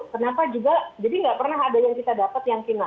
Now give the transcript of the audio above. kenapa juga jadi nggak pernah ada yang kita dapat yang final